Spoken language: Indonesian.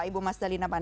ibu mas dalina pane